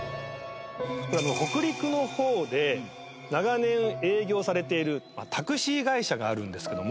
北陸の方で長年営業されているタクシー会社があるんですけども。